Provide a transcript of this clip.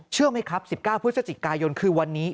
เชื่อไหมครับ๑๙พฤศจิกายนคือวันนี้